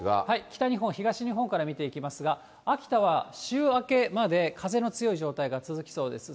北日本、東日本から見ていきますが、秋田は週明けまで風の強い状態が続きそうです。